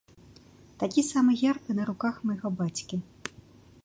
Такі самы герб і на руках майго бацькі.